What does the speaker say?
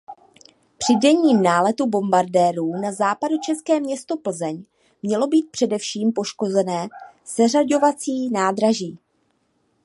Při denním náletu bombardérů na západočeské město Plzeň mělo být především poškozené seřaďovací nádraží.